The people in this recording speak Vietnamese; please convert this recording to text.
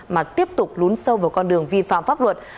mà tiếp tục lún sâu vào con đường vi phạm pháp luật